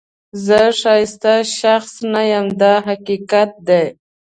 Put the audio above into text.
زه ښایسته شخص نه یم دا حقیقت دی.